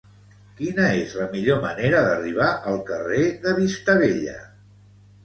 Quina és la millor manera d'arribar al carrer de Vista Bella?